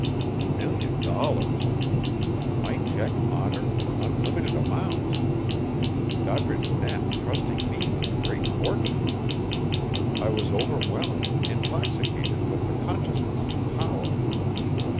A million dollars! My check honored for unlimited amounts! Doddridge Knapp trusting me with a great fortune! I was overwhelmed, intoxicated, with the consciousness of power.